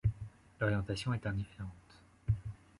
L'orientation est indifférente.